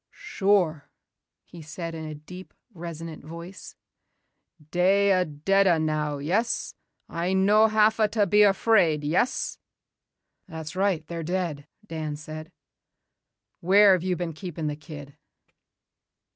"Sure," he said in a deep, resonant voice. "Dey a' deada now, yes? I no hava ta be afraid, yes?" "That's right, they're dead," Dan said. "Where have they been keeping the kid?"